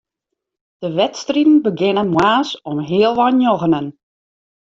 De wedstriden begjinne moarns om healwei njoggenen.